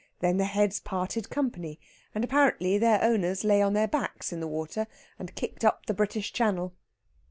Then the heads parted company, and apparently their owners lay on their backs in the water, and kicked up the British Channel.